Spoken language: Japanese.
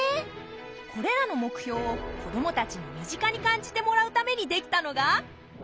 これらの目標を子どもたちに身近に感じてもらうために出来たのがほう！